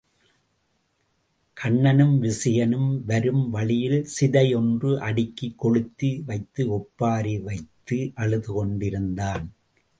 கண்ணனும் விசயனும் வரும் வழியில் சிதை ஒன்று அடுக்கிக் கொளுத்தி வைத்து ஒப்பாரி வைத்து அழுது கொண்டிருந்தான்.